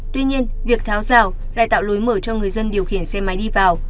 tuy nhiên việc tháo rào lại tạo lối mở cho người dân điều khiển xe máy đi vào